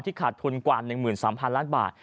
ขาดทุนกว่า๑๓๐๐๐ล้านบาท